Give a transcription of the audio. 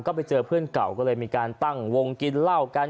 ก็ไปเจอเพื่อนเก่าก็เลยมีการตั้งวงกินเหล้ากัน